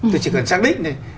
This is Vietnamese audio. tôi chỉ cần xác định